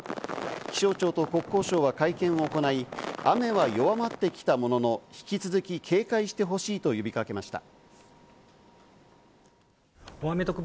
気象庁と国交省は会見を行い、雨は弱まってきたものの引き続き警戒してほしいと呼びかけました。